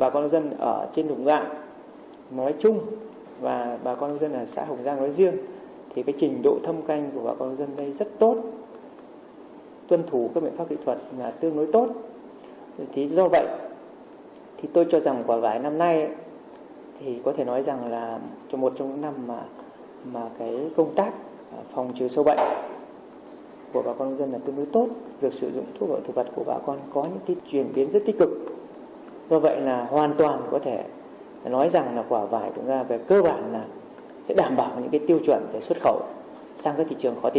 chuyển biến rất tích cực do vậy là hoàn toàn có thể nói rằng quả vải đúng ra về cơ bản là sẽ đảm bảo những tiêu chuẩn xuất khẩu sang các thị trường khó tính nhất cũng như tiêu thụ trong nước